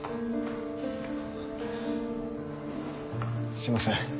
すいません。